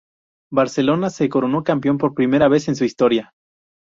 Barcelona se coronó campeón por primera vez en su historia.